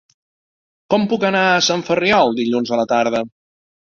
Com puc anar a Sant Ferriol dilluns a la tarda?